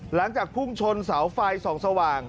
หลังจากพุ่งชนเสาไฟส่องสว่าง